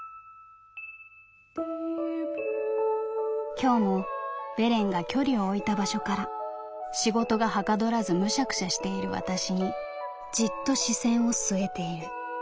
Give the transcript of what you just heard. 「今日もベレンが距離を置いた場所から仕事が捗らずむしゃくしゃしている私にじっと視線を据えている。